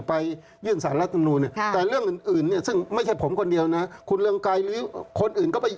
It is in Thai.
ไปยื่นสารละธนูน